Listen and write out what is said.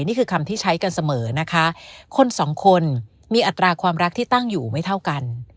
นี่คือคำที่ใช้กันเสมอนะคะคนสองคนมีอัตราความรักที่ตั้งอยู่ไม่เท่ากัน